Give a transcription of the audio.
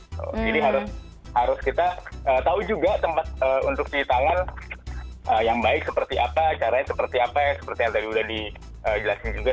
jadi harus kita tahu juga tempat untuk cuci tangan yang baik seperti apa caranya seperti apa seperti yang tadi udah dijelasin juga